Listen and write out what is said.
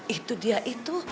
itu dia itu